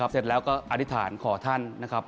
เสร็จแล้วก็อธิษฐานขอท่านนะครับ